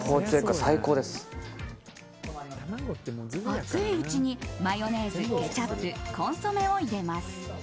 熱いうちにマヨネーズケチャップ、コンソメを入れます。